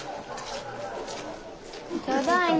ただいま。